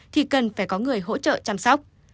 thì cần phải có người hỗ trợ chăm sóc